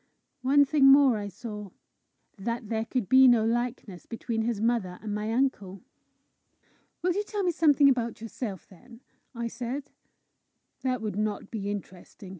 One thing more I saw that there could be no likeness between his mother and my uncle! "Will you tell me something about yourself, then?" I said. "That would not be interesting!"